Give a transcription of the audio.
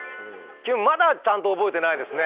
キュンまだちゃんと覚えてないですね。